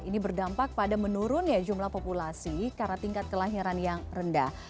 ini berdampak pada menurunnya jumlah populasi karena tingkat kelahiran yang rendah